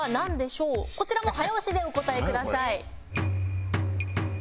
「こちらも早押しでお答えください」